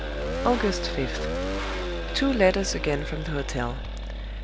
"August 5th. Two letters again from the hotel.